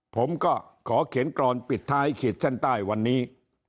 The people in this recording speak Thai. ผมก็ขอเขียนกรอนปิดท้ายขีดเส้นใต้วันนี้